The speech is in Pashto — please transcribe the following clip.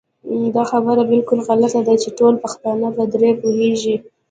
دا خبره بالکل غلطه ده چې ټول پښتانه په دري پوهېږي